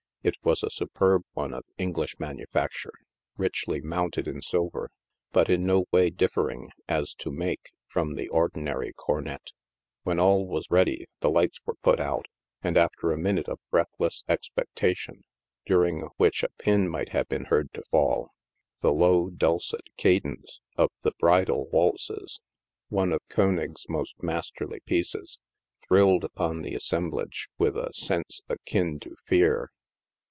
It was a superb one of English manufacture, richly mounted in silver, but in no way differing, as to make, from the or dinary cornet. When all was ready the lights were put out, and, after a minute of breathless expectation, during which a pin might have been heard to fall, the low, dulcet cadence of the '* Bridal Waltzes" — one of Kcenig's most masterly pieces — thrilled upon the assemblage with a sense akin to fear.